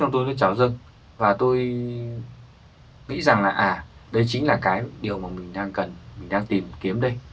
tôi mới chào dân và tôi nghĩ rằng là à đây chính là cái điều mà mình đang cần mình đang tìm kiếm đây